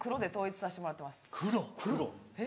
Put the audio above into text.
「えっ？」